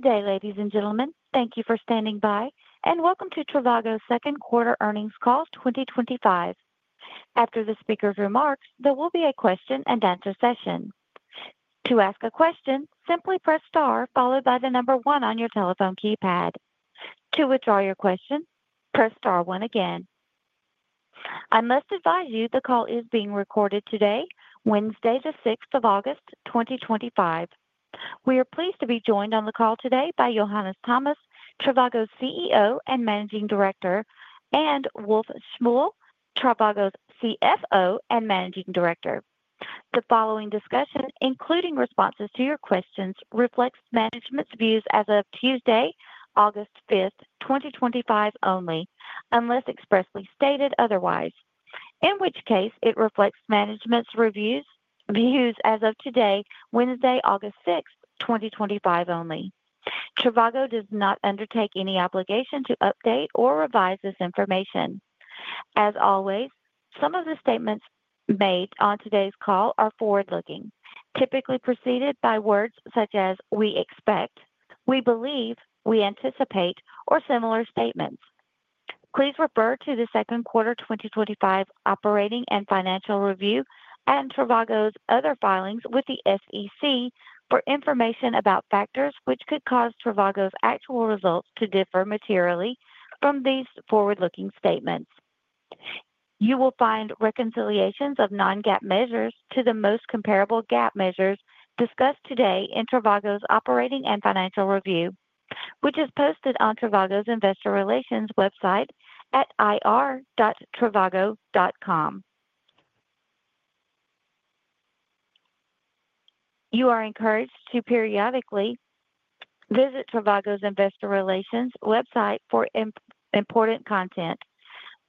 Good day, ladies and gentlemen. Thank you for standing by, and welcome to Trivago's Second Quarter Earnings Call 2025. After the speakers' remarks, there will be a question and answer session. To ask a question, simply press star followed by the number one on your telephone keypad. To withdraw your question, press star one again. I must advise you the call is being recorded today, Wednesday, August 6, 2025. We are pleased to be joined on the call today by Johannes Thomas, Trivago's CEO and Managing Director, and Rolf Schrömgens, Trivago's CFO and Managing Director. The following discussion, including responses to your questions, reflects management's views as of Tuesday, August 5, 2025 only, unless expressly stated otherwise, in which case it reflects management's views as of today, Wednesday, August 6, 2025 only. Trivago does not undertake any obligation to update or revise this information. As always, some of the statements made on today's call are forward looking, typically preceded by words such as "we expect," "we believe," "we anticipate," or similar statements. Please refer to the second quarter 2025 operating and financial review and Trivago's other filings with the SEC for information about factors which could cause Trivago's actual results to differ materially from these forward looking statements. You will find reconciliations of non-GAAP measures to the most comparable GAAP measures discussed today in Trivago's operating and financial review, which is posted on Trivago's investor relations website at ir.trivago.com. You are encouraged to periodically visit Trivago's investor relations website for important content.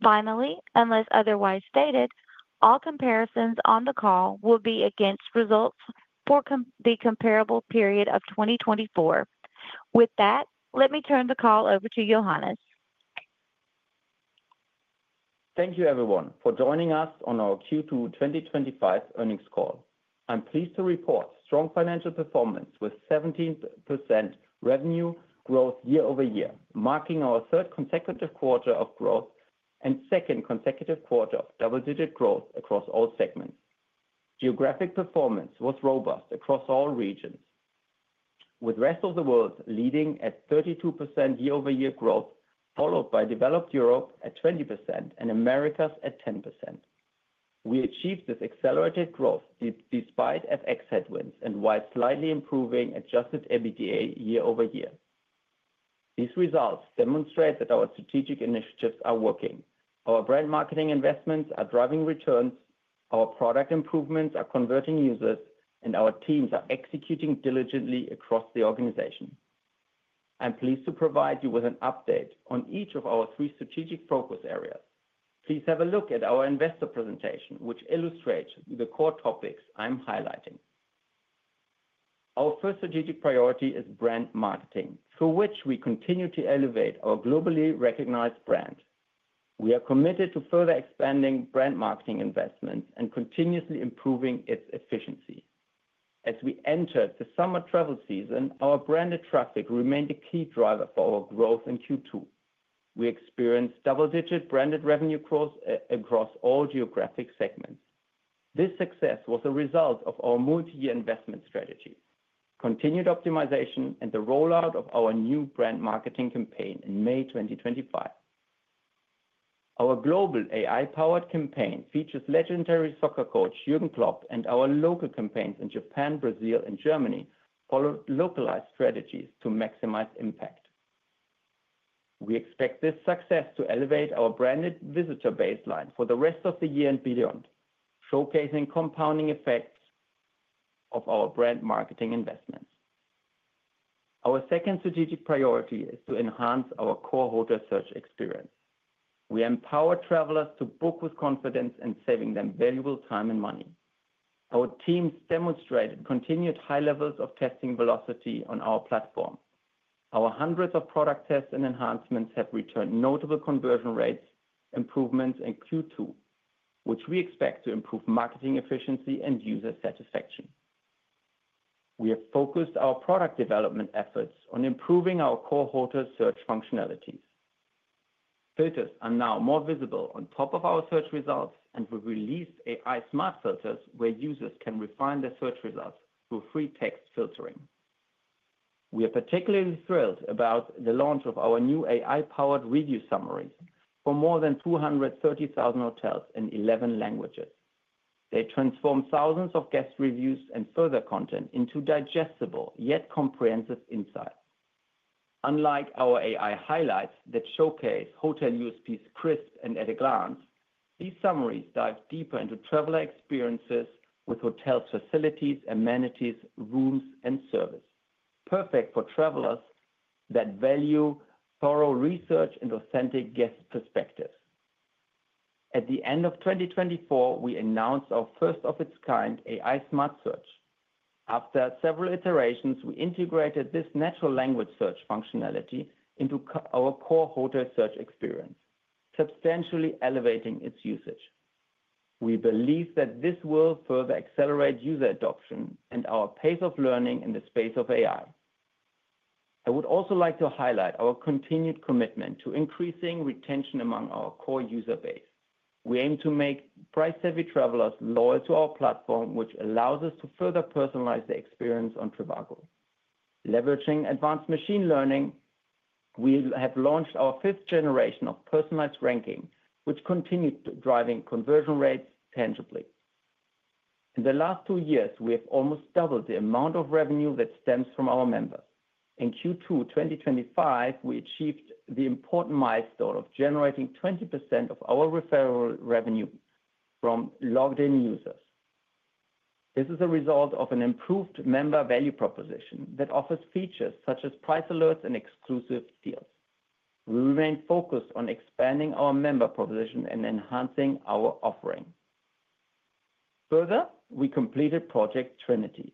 Finally, unless otherwise stated, all comparisons on the call will be against results for the comparable period of 2024. With that, let me turn the call over to Johannes. Thank you, everyone, for joining us on our Q2 2025 earnings call. I'm pleased to report strong financial performance with 17% revenue growth year-over-year, marking our third consecutive quarter of growth and second consecutive quarter of double-digit growth across all segments. Geographic performance was robust across all regions, with the rest of the world leading at 32% year-over-year growth, followed by Developed Europe at 20% and Americas at 10%. We achieved this accelerated growth despite FX headwinds and while slightly improving adjusted EBITDA year-over-year. These results demonstrate that our strategic initiatives are working, our brand marketing investments are driving returns, our product improvements are converting users, and our teams are executing diligently across the organization. I'm pleased to provide you with an update on each of our three strategic focus areas. Please have a look at our investor presentation, which illustrates the core topics I'm highlighting. Our first strategic priority is brand marketing, through which we continue to elevate our globally recognized brand. We are committed to further expanding brand marketing investments and continuously improving its efficiency. As we entered the summer travel season, our branded channel traffic remained a key driver for our growth in Q2. We experienced double-digit branded revenue growth across all geographic segments. This success was a result of our multi-year investment strategy, continued optimization, and the rollout of our new brand marketing campaign in May 2025. Our global AI-powered campaign features legendary soccer coach Jürgen Klopp, and our local campaigns in Japan, Brazil, and Germany follow localized strategies to maximize impact. We expect this success to elevate our branded visitor baseline for the rest of the year and beyond, showcasing compounding effects of our brand marketing investments. Our second strategic priority is to enhance our core hotel search experience. We empower travelers to book with confidence and save them valuable time and money. Our teams demonstrated continued high levels of testing velocity on our platform. Our hundreds of product tests and enhancements have returned notable conversion rates, improvements, and Q2, which we expect to improve marketing efficiency and user satisfaction. We have focused our product development efforts on improving our core hotel search functionalities. Filters are now more visible on top of our search results, and we released AI smart filters where users can refine their search results through free text filtering. We are particularly thrilled about the launch of our new AI-powered review summaries for more than 230,000 hotels in 11 languages. They transform thousands of guest reviews and further content into digestible yet comprehensive insights. Unlike our AI-generated hotel highlights that showcase hotel USPs crisp and at a glance, these summaries dive deeper into traveler experiences with hotel facilities, amenities, rooms, and service. Perfect for travelers that value thorough research and authentic guest perspectives. At the end of 2024, we announced our first of its kind AI smart search. After several iterations, we integrated this natural language search functionality into our core hotel search experience, substantially elevating its usage. We believe that this will further accelerate user adoption and our pace of learning in the space of AI. I would also like to highlight our continued commitment to increasing retention among our core user base. We aim to make price-savvy travelers loyal to our platform, which allows us to further personalize the experience on Trivago. Leveraging advanced machine learning, we have launched our fifth generation of personalized ranking, which continues to drive conversion rates tangibly. In the last two years, we have almost doubled the amount of revenue that stems from our members. In Q2 2025, we achieved the important milestone of generating 20% of our referral revenue from logged-in users. This is a result of an improved member value proposition that offers features such as price alerts and exclusive deals. We remain focused on expanding our member proposition and enhancing our offering. Further, we completed Project Trinity,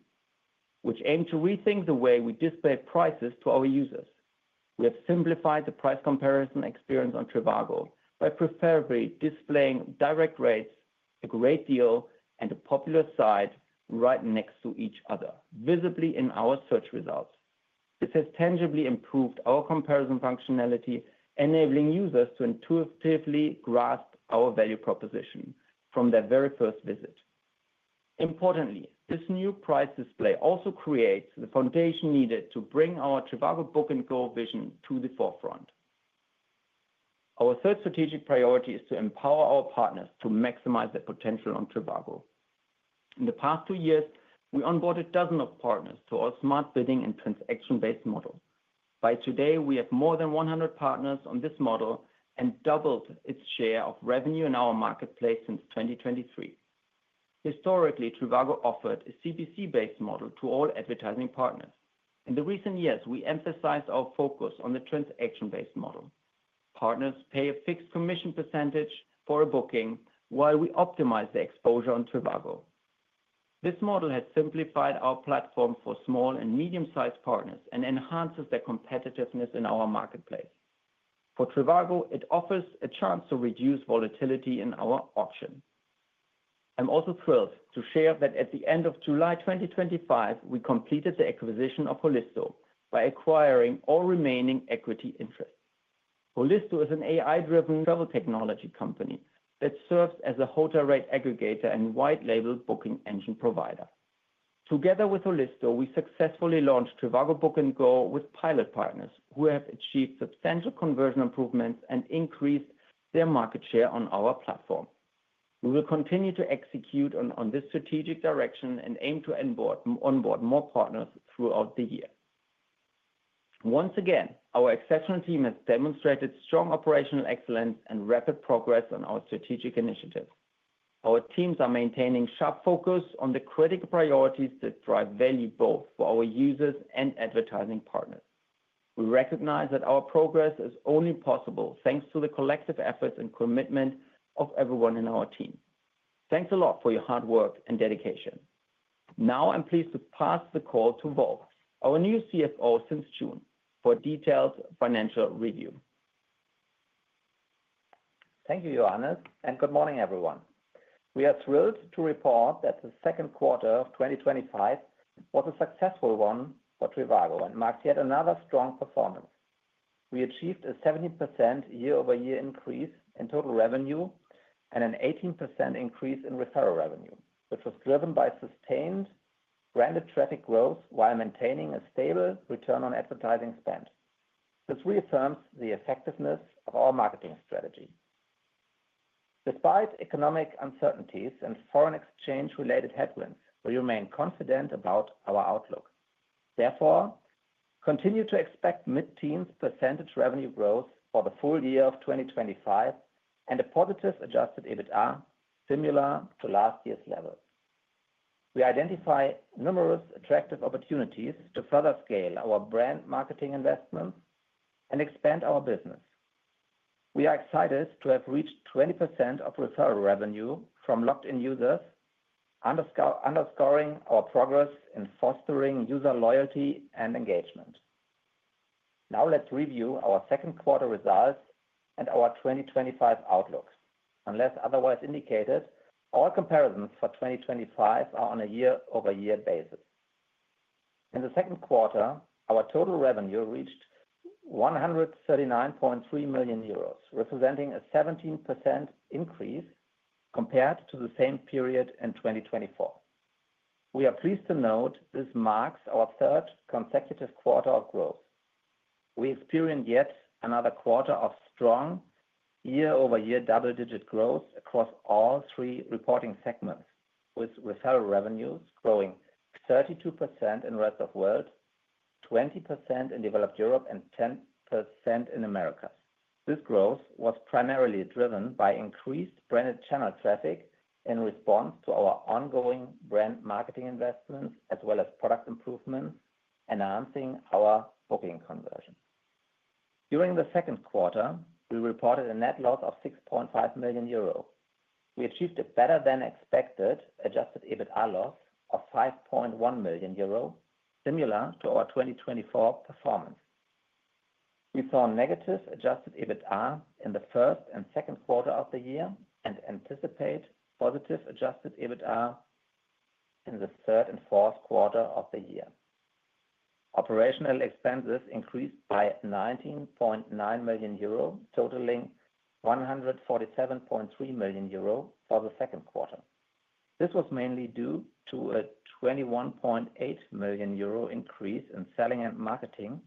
which aimed to rethink the way we display prices to our users. We have simplified the price comparison experience on Trivago by preferably displaying direct rates, a great deal, and a popular site right next to each other, visibly in our search results. This has tangibly improved our comparison functionality, enabling users to intuitively grasp our value proposition from their very first visit. Importantly, this new price display also creates the foundation needed to bring our Trivago Book & Go vision to the forefront. Our third strategic priority is to empower our partners to maximize their potential on Trivago. In the past two years, we onboarded dozens of partners to our smart bidding and transaction-based model. By today, we have more than 100 partners on this model and doubled its share of revenue in our marketplace since 2023. Historically, Trivago offered a CPC-based model to all advertising partners. In recent years, we emphasized our focus on the transaction-based model. Partners pay a fixed commission percentage for a booking, while we optimize the exposure on Trivago. This model has simplified our platform for small and medium-sized partners and enhances their competitiveness in our marketplace. For Trivago, it offers a chance to reduce volatility in our auction. I'm also thrilled to share that at the end of July 2025, we completed the acquisition of Holisto by acquiring all remaining equity interests. Holisto is an AI-driven travel technology company that serves as a hotel rate aggregator and white-label booking engine provider. Together with Holisto, we successfully launched Trivago Book & Go with pilot partners who have achieved substantial conversion improvements and increased their market share on our platform. We will continue to execute on this strategic direction and aim to onboard more partners throughout the year. Once again, our exceptional team has demonstrated strong operational excellence and rapid progress on our strategic initiative. Our teams are maintaining sharp focus on the critical priorities that drive value both for our users and advertising partners. We recognize that our progress is only possible thanks to the collective efforts and commitment of everyone in our team. Thanks a lot for your hard work and dedication. Now I'm pleased to pass the call to Rolf, our new CFO since June, for a detailed financial review. Thank you, Johannes, and good morning, everyone. We are thrilled to report that the second quarter of 2025 was a successful one for Trivago and marked yet another strong performance. We achieved a 17% year-over-year increase in total revenue and an 18% increase in referral revenue, which was driven by sustained branded channel traffic growth while maintaining a stable return on advertising spend. This reaffirms the effectiveness of our marketing strategy. Despite economic uncertainties and foreign exchange-related headwinds, we remain confident about our outlook. Therefore, we continue to expect mid-teens percentage revenue growth for the full year of 2025 and a positive adjusted EBITDA similar to last year's level. We identify numerous attractive opportunities to further scale our brand marketing investments and expand our business. We are excited to have reached 20% of referral revenue from logged-in users, underscoring our progress in fostering user loyalty and engagement. Now let's review our second quarter results and our 2025 outlook. Unless otherwise indicated, all comparisons for 2025 are on a year-over-year basis. In the second quarter, our total revenue reached 139.3 million euros, representing a 17% increase compared to the same period in 2024. We are pleased to note this marks our third consecutive quarter of growth. We experienced yet another quarter of strong year-over-year double-digit growth across all three reporting segments, with referral revenue growing 32% in the rest of the world, 20% in Developed Europe, and 10% in the Americas. This growth was primarily driven by increased branded channel traffic in response to our ongoing brand marketing investments, as well as product improvements, enhancing our booking conversion. During the second quarter, we reported a net loss of 6.5 million euro. We achieved a better-than-expected adjusted EBITDA loss of 5.1 million euro, similar to our 2024 performance. We saw a negative adjusted EBITDA in the first and second quarter of the year and anticipate a positive adjusted EBITDA in the third and fourth quarters of the year. Operational expenses increased by 19.9 million euro, totaling 147.3 million euro for the second quarter. This was mainly due to a 21.8 million euro increase in selling and marketing,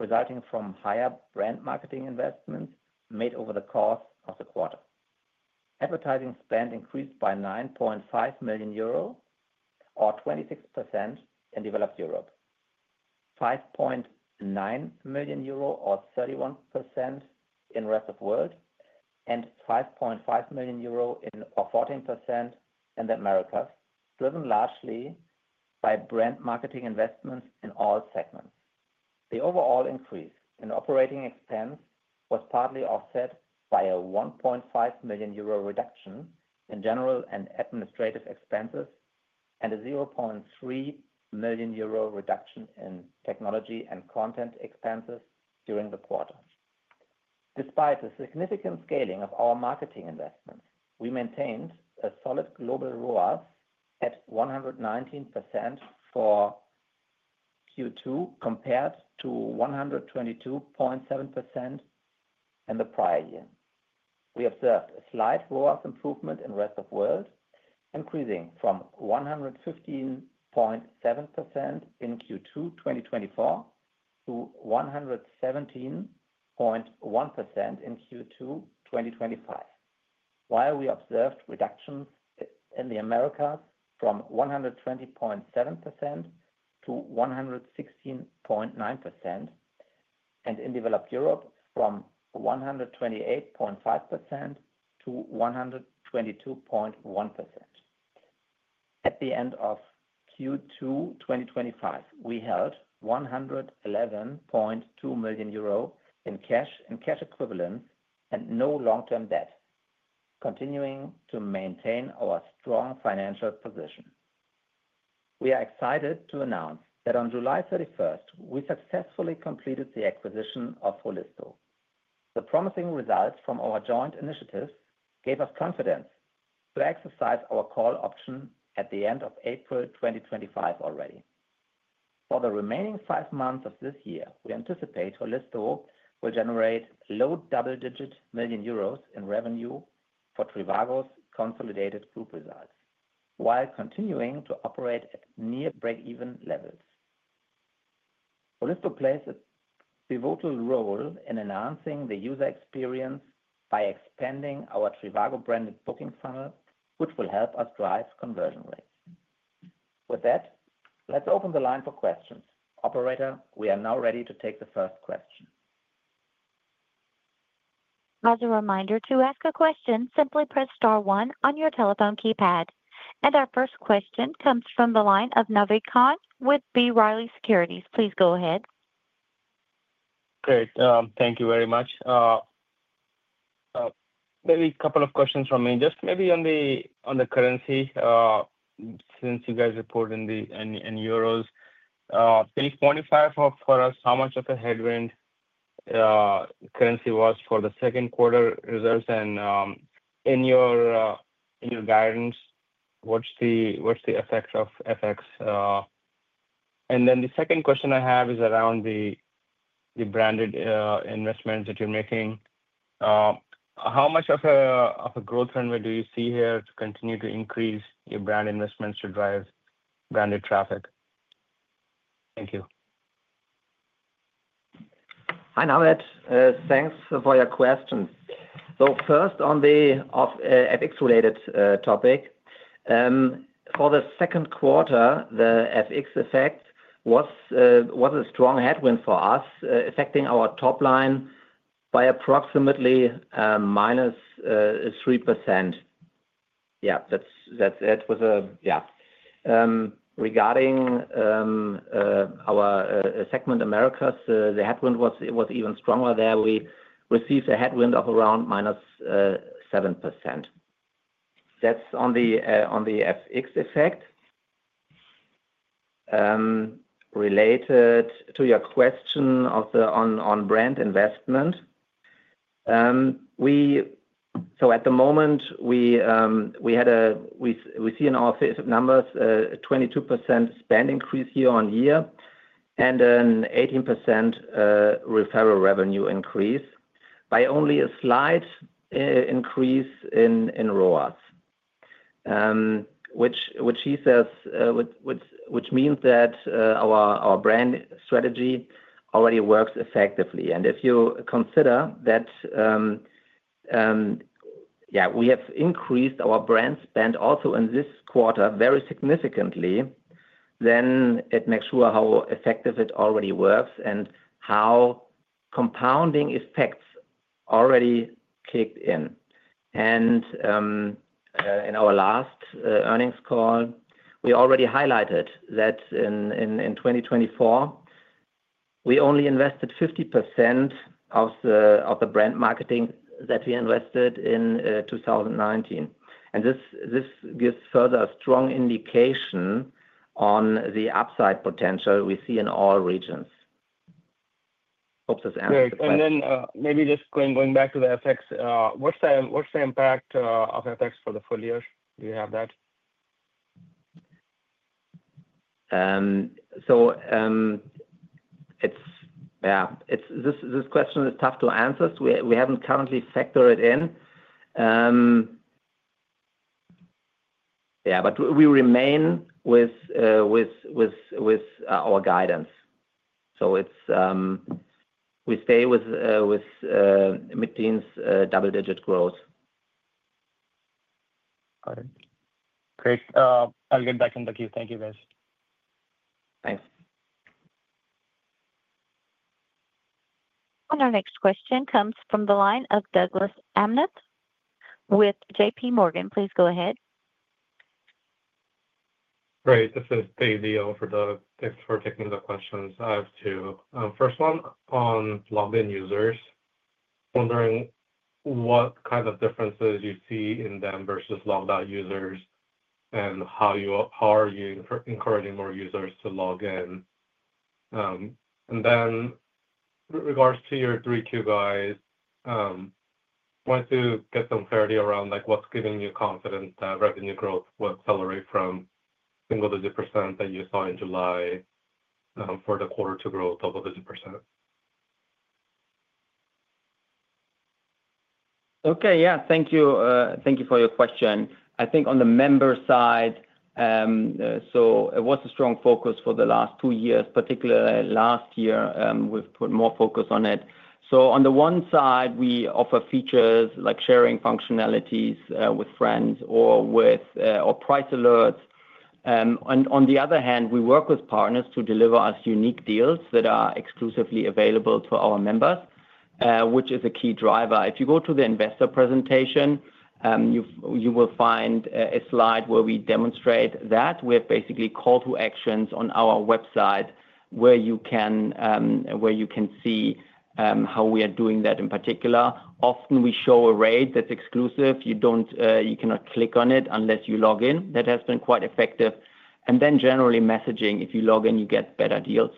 resulting from higher brand marketing investments made over the course of the quarter. Advertising spend increased by 9.5 million euro, or 26% in Developed Europe, 5.9 million euro, or 31% in the rest of the world, and 5.5 million euro, or 14% in the Americas, driven largely by brand marketing investments in all segments. The overall increase in operating expense was partly offset by a 1.5 million euro reduction in general and administrative expenses and a 0.3 million euro reduction in technology and content expenses during the quarter. Despite the significant scaling of our marketing investments, we maintained a solid global ROAS of 119% for Q2 compared to 122.7% in the prior year. We observed a slight ROAS improvement in the rest of the world, increasing from 115.7% in Q2 2024 to 117.1% in Q2 2025, while we observed reductions in the Americas from 120.7% to 116.9% and in Developed Europe from 128.5% to 122.1%. At the end of Q2 2025, we held 111.2 million euro in cash and cash equivalents and no long-term debt, continuing to maintain our strong financial position. We are excited to announce that on July 31, we successfully completed the acquisition of Holisto. The promising results from our joint initiatives gave us confidence to exercise our call option at the end of April 2025 already. For the remaining five months of this year, we anticipate Holisto will generate low double-digit million euros in revenue for Trivago's consolidated group results, while continuing to operate at near break-even levels. Holisto plays a pivotal role in enhancing the user experience by expanding our Trivago branded booking funnel, which will help us drive conversion rates. With that, let's open the line for questions. Operator, we are now ready to take the first question. As a reminder to ask a question, simply press star one on your telephone keypad. Our first question comes from the line of Naved Khan with B. Riley Securities. Please go ahead. Great. Thank you very much. Maybe a couple of questions from me. Just maybe on the currency, since you guys report in euros, can you quantify for us how much of the headwind currency was for the second quarter results? In your guidance, what's the effect of FX? The second question I have is around the branded investments that you're making. How much of a growth runway do you see here to continue to increase your brand investments to drive branded traffic? Thank you. Hi Naved. Thanks for your question. First on the FX-related topic, for the second quarter, the FX effect was a strong headwind for us, affecting our top line by approximately -3%. Regarding our segment Americas, the headwind was even stronger there. We received a headwind of around -7%. That's on the FX effect. Related to your question on brand investment, at the moment, we see in our numbers a 22% spend increase year on year and an 18% referral revenue increase by only a slight increase in ROAS, which means that our brand strategy already works effectively. If you consider that we have increased our brand spend also in this quarter very significantly, then it makes sure how effective it already works and how compounding effects already kicked in. In our last earnings call, we already highlighted that in 2024, we only invested 50% of the brand marketing that we invested in 2019. This gives further strong indication on the upside potential we see in all regions. Hope this answers the question. Maybe just going back to the FX, what's the impact of FX for the full year? Do you have that? This question is tough to answer. We haven't currently factored it in, but we remain with our guidance. We stay with mid-teens double-digit growth. Got it. Great, I'll get back on the queue. Thank you, guys. Thanks. Our next question comes from the line of Douglas Amnath with JPMorgan. Please go ahead. Great. This is the Dae Lee for Doug. Thanks for taking the questions. I have two. First one on logged-in users. I'm wondering what kind of differences you see in them versus logged-out users and how you are encouraging more users to log in. With regards to your Q3, I wanted to get some clarity around what's giving you confidence that revenue growth will accelerate from single-digit percent that you saw in July for the quarter to grow double-digit percent. Thank you for your question. I think on the member side, it was a strong focus for the last two years, particularly last year, we've put more focus on it. On the one side, we offer features like sharing functionalities with friends or with price alerts. On the other hand, we work with partners to deliver us unique deals that are exclusively available to our members, which is a key driver. If you go to the investor presentation, you will find a slide where we demonstrate that with basically call-to-actions on our website where you can see how we are doing that in particular. Often, we show a rate that's exclusive. You cannot click on it unless you log in. That has been quite effective. Generally, messaging, if you log in, you get better deals,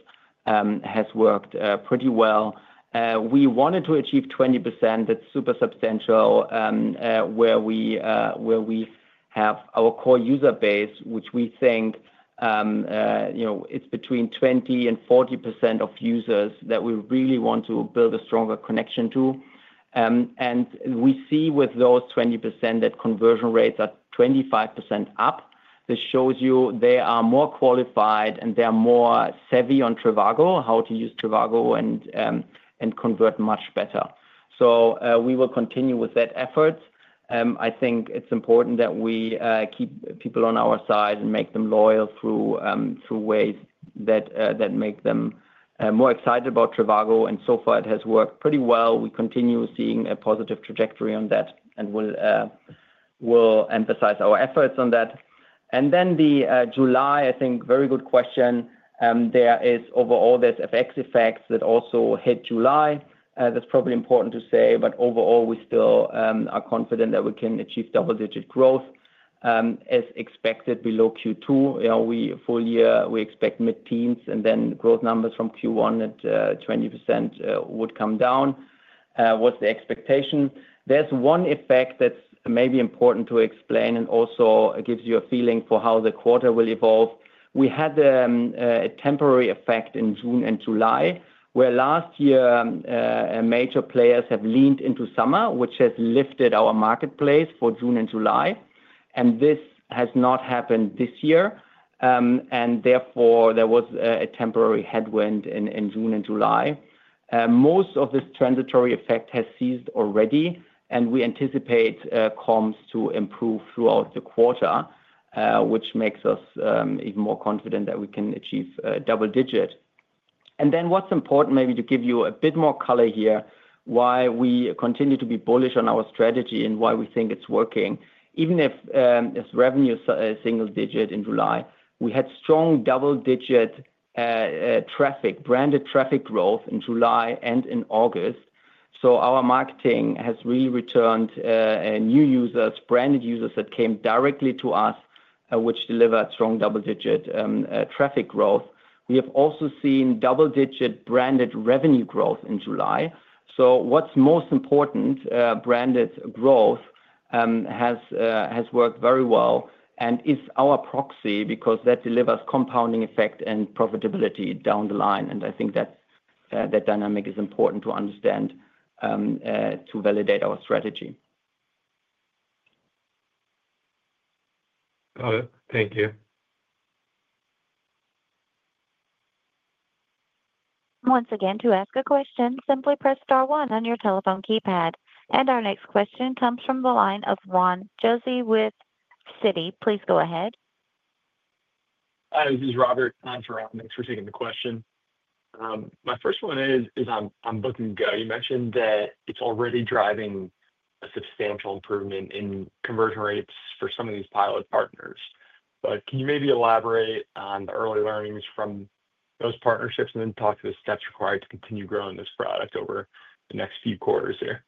has worked pretty well. We wanted to achieve 20%. That's super substantial where we have our core user base, which we think is between 20% and 40% of users that we really want to build a stronger connection to. We see with those 20% that conversion rates are 25% up. This shows you they are more qualified and they're more savvy on Trivago, how to use Trivago and convert much better. We will continue with that effort. I think it's important that we keep people on our side and make them loyal through ways that make them more excited about Trivago. So far, it has worked pretty well. We continue seeing a positive trajectory on that and will emphasize our efforts on that. In July, very good question. There is overall, there's FX effects that also hit July. That's probably important to say. Overall, we still are confident that we can achieve double-digit growth as expected below Q2. For the full year, we expect mid-teens and then growth numbers from Q1 at 20% would come down. What's the expectation? There's one effect that's maybe important to explain and also gives you a feeling for how the quarter will evolve. We had a temporary effect in June and July where last year, major players have leaned into summer, which has lifted our marketplace for June and July. This has not happened this year. Therefore, there was a temporary headwind in June and July. Most of this transitory effect has ceased already. We anticipate comps to improve throughout the quarter, which makes us even more confident that we can achieve double-digit. What's important maybe to give you a bit more color here is why we continue to be bullish on our strategy and why we think it's working. Even if revenue is single-digit in July, we had strong double-digit traffic, branded traffic growth in July and in August. Our marketing has really returned new users, branded users that came directly to us, which delivered strong double-digit traffic growth. We have also seen double-digit branded revenue growth in July. What's most important is branded growth has worked very well and is our proxy because that delivers compounding effect and profitability down the line. I think that dynamic is important to understand to validate our strategy. Got it. Thank you. Once again, to ask a question, simply press star one on your telephone keypad. Our next question comes from the line of Juan Jose with Citi. Please go ahead. Hi, this is Robert. Thanks for taking the question. My first one is on Book & Go. You mentioned that it's already driving a substantial improvement in conversion rates for some of these pilot partners. Can you maybe elaborate on the early learnings from those partnerships and then talk to the steps required to continue growing this product over the next few quarters here?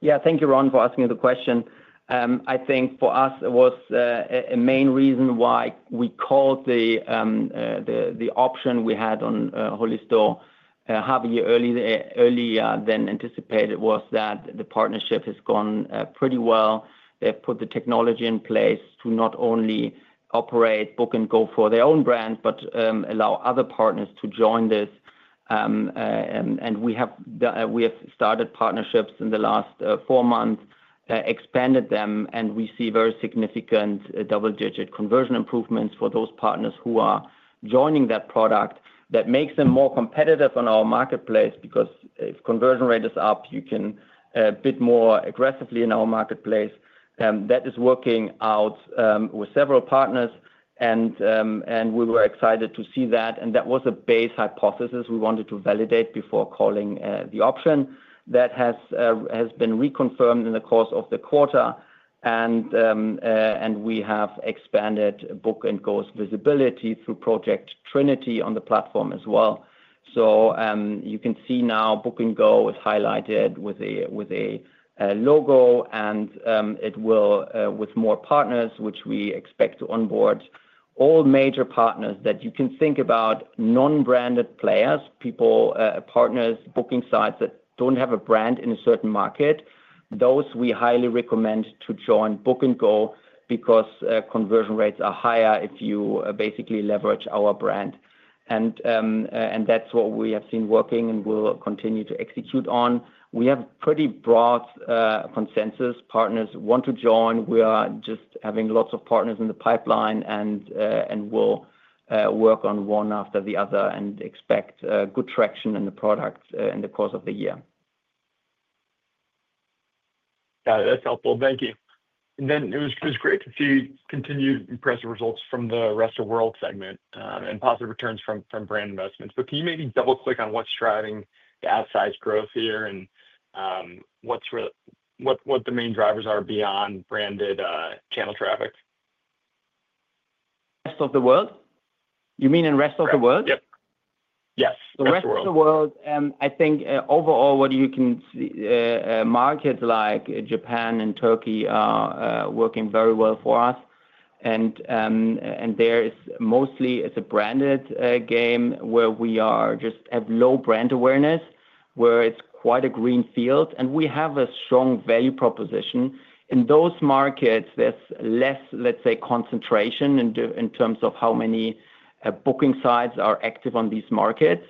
Yeah, thank you, Rob, for asking the question. I think for us, it was a main reason why we called the option we had on Holisto half a year earlier than anticipated was that the partnership has gone pretty well. They've put the technology in place to not only operate Book & Go for their own brand, but allow other partners to join this. We have started partnerships in the last four months, expanded them, and we see very significant double-digit conversion improvements for those partners who are joining that product. That makes them more competitive on our marketplace because if conversion rate is up, you can bid more aggressively in our marketplace. That is working out with several partners, and we were excited to see that. That was a base hypothesis we wanted to validate before calling the option. That has been reconfirmed in the course of the quarter, and we have expanded Book & Go's visibility through Project Trinity on the platform as well. You can see now Book & Go is highlighted with a logo, and it will, with more partners, which we expect to onboard all major partners that you can think about, non-branded players, people, partners, booking sites that don't have a brand in a certain market. Those we highly recommend to join Book & Go because conversion rates are higher if you basically leverage our brand. That's what we have seen working and will continue to execute on. We have a pretty broad consensus. Partners want to join. We are just having lots of partners in the pipeline, and we'll work on one after the other and expect good traction in the product in the course of the year. Got it. That's helpful. Thank you. It was great to see continued impressive results from the rest of the world segment and positive returns from brand investments. Can you maybe double-click on what's driving the outsized growth here and what the main drivers are beyond branded channel traffic? Rest of the world? You mean in rest of the world? Yep. Yes. The rest of the world, I think overall what you can see, markets like Japan and Turkey are working very well for us. There is mostly a branded game where we just have low brand awareness, where it's quite a green field, and we have a strong value proposition. In those markets, there's less concentration in terms of how many booking sites are active on these markets.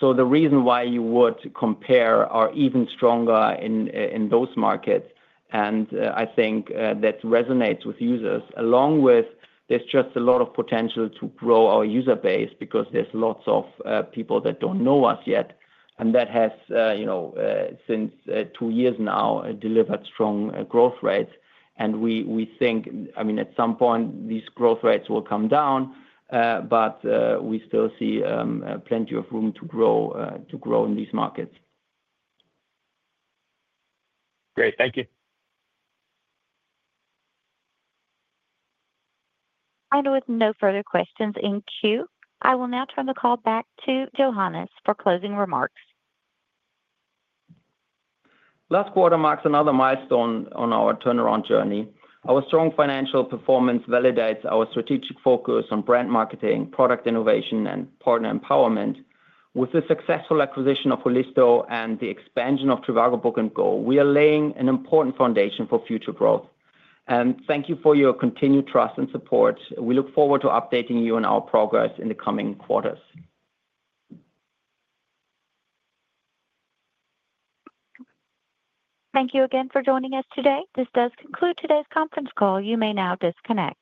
The reason why you would compare is even stronger in those markets. I think that resonates with users, along with there's just a lot of potential to grow our user base because there's lots of people that don't know us yet. That has, since two years now, delivered strong growth rates. We think, at some point, these growth rates will come down, but we still see plenty of room to grow in these markets. Great. Thank you. Final with no further questions in queue, I will now turn the call back to Johannes for closing remarks. Last quarter marks another milestone on our turnaround journey. Our strong financial performance validates our strategic focus on brand marketing, product innovation, and partner empowerment. With the successful acquisition of Holisto and the expansion of Trivago Book & Go, we are laying an important foundation for future growth. Thank you for your continued trust and support. We look forward to updating you on our progress in the coming quarters. Thank you again for joining us today. This does conclude today's conference call. You may now disconnect.